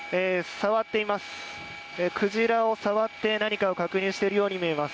触っています。